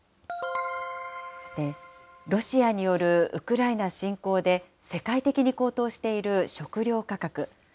ロシアによるウクライナ侵攻で、世界的に高騰している食料価格。